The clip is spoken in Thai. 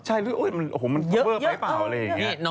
ใช่มันเบอร์ไปเปล่า